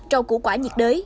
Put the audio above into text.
rau củ quả nhiệt đới